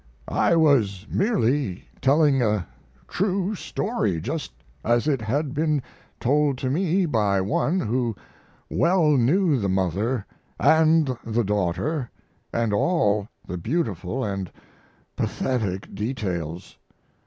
I was merely telling a true story just as it had been told to me by one who well knew the mother and the daughter & all the beautiful & pathetic details.